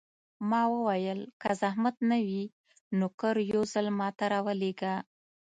ما وویل: که زحمت نه وي، نوکر یو ځل ما ته راولېږه.